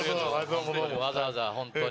わざわざ本当に。